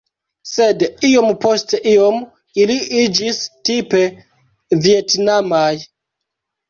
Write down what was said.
Sed iom post iom ili iĝis tipe vjetnamaj.